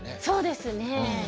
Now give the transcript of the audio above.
そうですね。